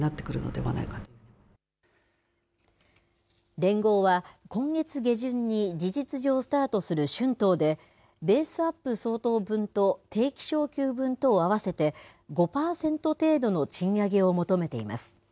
連合は今月下旬に事実上スタートする春闘で、ベースアップ相当分と定期昇給分とを合わせて、５％程度の賃上げを求めています。